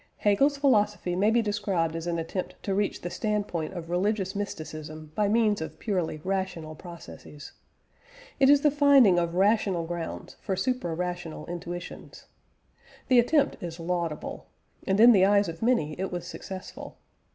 Hegel's philosophy may be described as an attempt to reach the standpoint of religious mysticism by means of purely rational processes. It is the finding of rational grounds for supra rational intuitions. The attempt is laudable, and, in the eyes of many, it was successful.